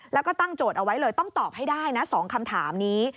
แล้วก็ตั้งโจทย์เอาไว้เลยต้องตอบให้ได้นะ๒คำถามนี้